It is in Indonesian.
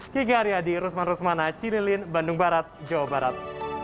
kiki aryadi rusman rusmana cililin bandung barat jawa barat